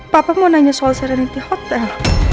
papa mau nanya soal serenity hotel